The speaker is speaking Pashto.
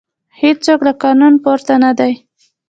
هیڅوک له قانون پورته نه دی